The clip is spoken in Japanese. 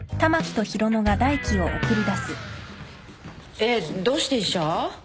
えっどうして医者？